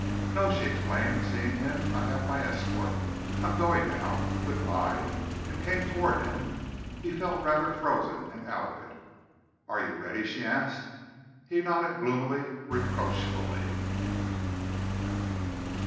"No," she exclaimed, seeing him, "I have my escort. I'm going now. Good bye," and came toward him. He felt rather frozen and out of it. "Are you ready?" she asked. He nodded gloomily, reproachfully.